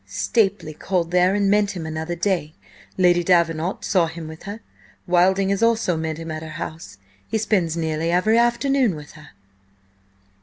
Stapely called there and met him; another day Lady Davenant saw him with her; Wilding has also met him at her house. He spends nearly every afternoon with her!"